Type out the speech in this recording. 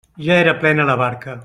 Ja era plena la barca!